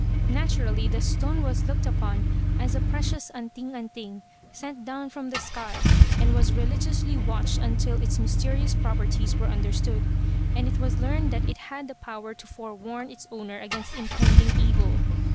Naturally the stone was looked upon as a precious 'anting anting,' sent down from the sky, and was religiously watched until its mysterious properties were understood, and it was learned that it had the power to forewarn its owner against impending evil.